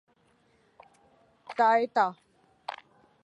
تائتا